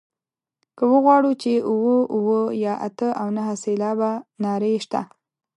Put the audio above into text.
که وغواړو چې اووه اووه یا اته او نهه سېلابه نارې شته.